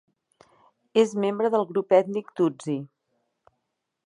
És membre del grup ètnic Tutsi.